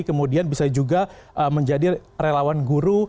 kemudian bisa juga menjadi relawan guru